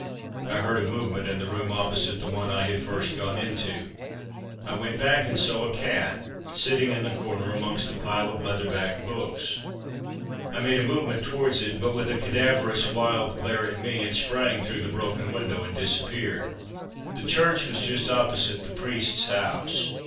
I heard a movement in the room opposite the one I had first gone into; I went back and saw a cat sitting in the corner amongst a pile of leather backed books. I made a movement towards it, but with a cadaverous, wild glare at me, it sprang through the broken window and disappeared. The church was just opposite the priest's house.